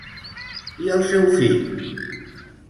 I el seu fill?